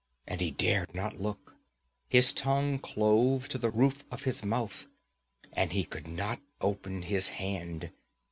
And he dared not look; his tongue clove to the roof of his mouth, and he could not open his hand.